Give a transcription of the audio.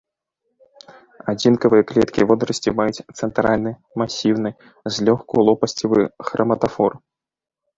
Адзінкавыя клеткі водарасці маюць цэнтральны, масіўны, злёгку лопасцевы храматафор.